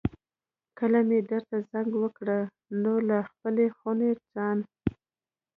کله مې درته زنګ وکړ نو له خپلې خونې ځان.